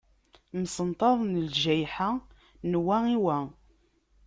Msenṭaḍen ljayḥa n wa i wa.